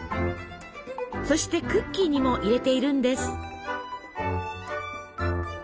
そしてクッキーにも入れているんです。